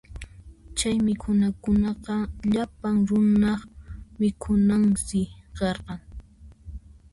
Chay mikhunakunaqa llapan runaq mikhunansi karqan.